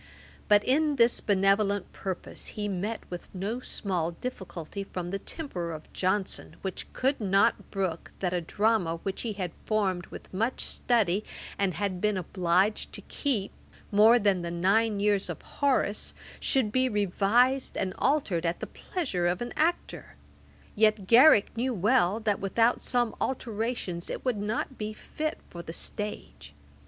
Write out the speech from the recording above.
But in this benevolent purpose he met with no small difficulty from the temper of Johnson, which could not brook that a drama which he had formed with much study, and had been obliged to keep more than the nine years of Horace, should be revised and altered at the pleasure of an actor. Yet Garrick knew well, that without some alterations it would not be fit for the stage.